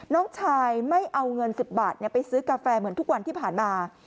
น้องชายไม่เอาเงิน๑๐บาทไปซื้อกาแฟเหมือนทุกวันที่ผ่านมา